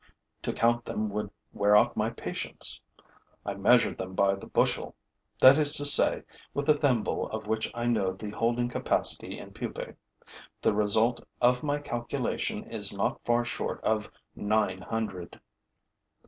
To count them would wear out my patience. I measure them by the bushel, that is to say, with a thimble of which I know the holding capacity in pupae. The result of my calculation is not far short of nine hundred.